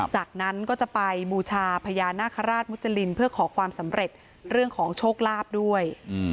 จากนั้นก็จะไปบูชาพญานาคาราชมุจรินเพื่อขอความสำเร็จเรื่องของโชคลาภด้วย